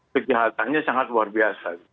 kejahatannya sangat luar biasa